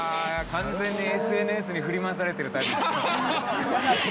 ◆完全にＳＮＳに振り回されているタイプですね。